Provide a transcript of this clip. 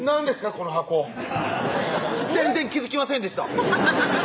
この箱全然気付きませんでした